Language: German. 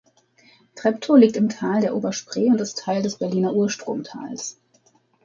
Treptow liegt im Tal der Oberspree und ist Teil des Berliner Urstromtals.